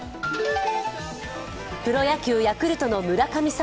プロ野球ヤクルトの村神様